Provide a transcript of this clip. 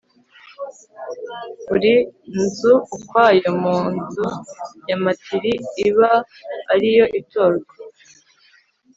buri nzu ukwayo, maze inzu ya matiri iba ari yo itorwa